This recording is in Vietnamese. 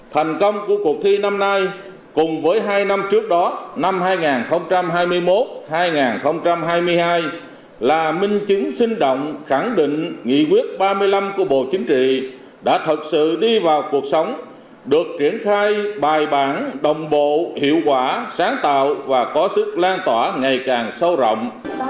thành công của cuộc thi năm nay cùng với hai năm trước đó năm hai nghìn hai mươi một hai nghìn hai mươi hai là minh chứng sinh động khẳng định nghị quyết ba mươi năm của bộ chính trị đã thật sự đi vào cuộc sống được triển khai bài bản đồng bộ hiệu quả sáng tạo và có sức lan tỏa ngày càng sâu rộng